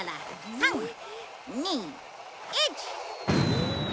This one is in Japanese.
３２１。